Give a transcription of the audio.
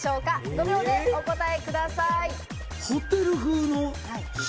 ５秒でお答えください。